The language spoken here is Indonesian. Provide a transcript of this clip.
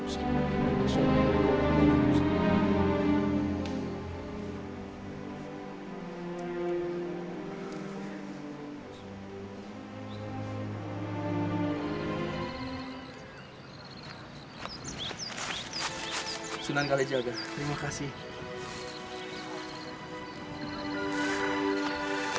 sunan kalejaga terima kasih